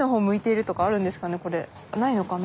ないのかな。